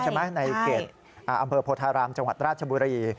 ในเขตอำเภอโพธารามจังหวัดราชบุรี